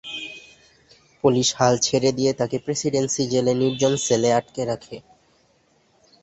Police হাল ছেড়ে দিয়ে তাকে প্রেসিডেন্সী জেলে নির্জন সেলে আটকে রাখে।